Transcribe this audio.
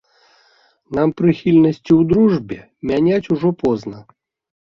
Нам прыхільнасці ў дружбе мяняць ўжо позна.